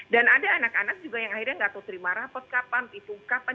dan ada anak anak juga yang akhirnya tidak tahu terima rapor kapan itu kapan